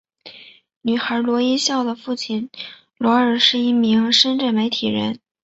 女孩罗一笑的父亲罗尔是一名深圳媒体人。